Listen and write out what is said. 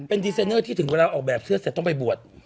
เป็นดีไซเนอร์ที่ถึงเวลาออกแบบเสื้อเสร็จต้องไปบวช